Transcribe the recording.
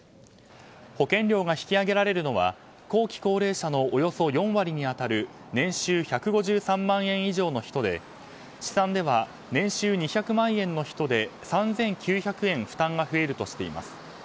保険料が引き上げられるのは後期高齢者のおよそ４割に当たる年収１５３万円以上の人で試算では年収２００万円の人で３９００円負担が増えるとしています。